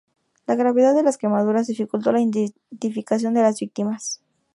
La gravedad de las quemaduras dificultó la identificación de las víctimas.